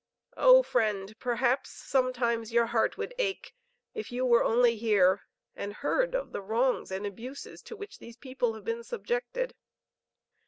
Oh, friend, perhaps, sometimes your heart would ache, if you were only here and heard of the wrongs and abuses to which these people have been subjected.